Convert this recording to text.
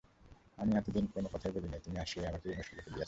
আমি এতদিন কোনো কথাই বলি নাই, তুমি আসিয়াই আমাকে এই মুশকিলে ফেলিয়াছ।